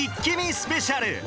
スペシャル